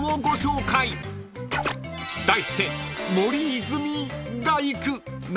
［題して］